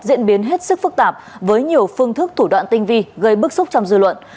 diễn biến hết sức phức tạp với nhiều phương thức thủ đoạn tinh vi gây bức xúc trong dư luận